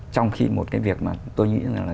trong khi một cái việc mà tôi nghĩ là